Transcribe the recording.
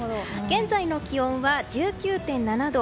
現在の気温は１９．７度。